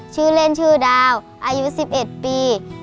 ชื่อเล่นชื่อดาวอายุ๑๑ปี